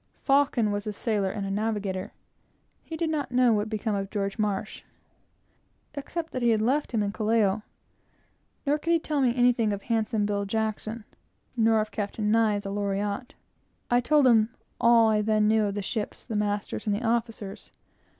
Faucon was a sailor and a navigator. He did not know what had become of George Marsh (ante, pp. 199 202, 252), except that he left him in Callao; nor could he tell me anything of handsome Bill Jackson (ante, p. 86), nor of Captain Nye of the Loriotte. I told him all I then knew of the ships, the masters, and the officers.